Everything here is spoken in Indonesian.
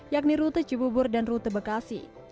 yakni rute cibubur dan rute bekasi